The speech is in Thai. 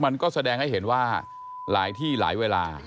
มันก็แสดงให้เห็นว่าหลายที่หลายเวลา